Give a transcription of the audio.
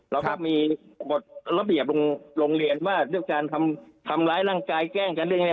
เราก็มีบทระเบียบโรงเรียนว่าเรื่องการทำร้ายร่างกายแกล้งกันเรื่องอะไร